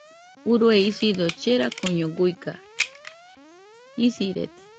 Urue isido cherakoño guiga , isirede.